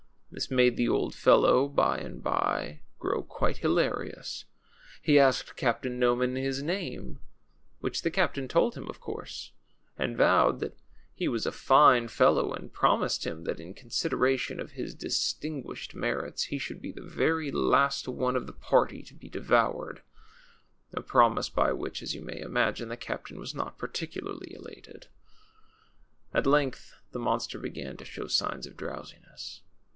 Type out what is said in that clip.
This made the old fellow, by and by, groAV quite hilarious ; he asked Captain Noman his name (which the captain told him, of course). THE THRILLING STORY OF CAPTAIN NOMAN. 113 and vowed that he was a fine fellow, and promised him that in consideration of his distinguished merits, he should be the very last one of the party to be devoured — a promise by which, as you may imagine, the captain was not particularly elated. At length the monster began to show signs of drowsiness.